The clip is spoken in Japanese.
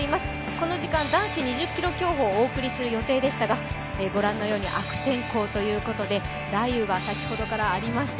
この時間、男子２０ｋｍ競歩をお送りする予定でしたがご覧のように悪天候ということで、雷雨が先ほどからありました。